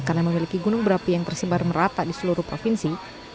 karena memiliki gunung berapi yang tersebar merata di seluruh provinsi